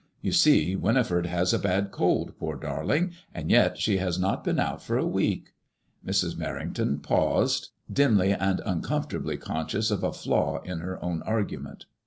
You see Winifred has a bad cold, poor darling, and yet she has not been out for a week.*' Mrs. Merrington paused, dimly and uncomfortably conscious of a flaw in her own argument.